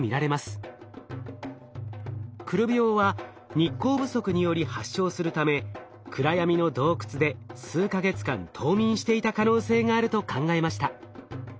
くる病は日光不足により発症するため暗闇の洞窟で数か月間冬眠していた可能性があると考えました。